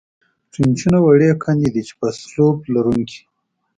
ټرینچونه وړې کندې دي، چې په سلوپ لرونکې.